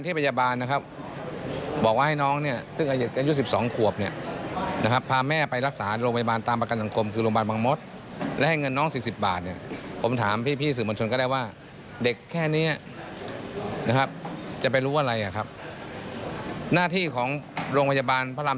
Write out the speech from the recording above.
ที่โรงพยาบาลคุณแล้วก็ดูอาการนะครับ